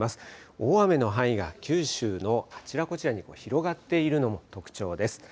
大雨の範囲が九州のあちらこちらに広がっているのも特徴です。